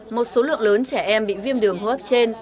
một số lượng lớn trẻ em bị viêm đường hô hấp trên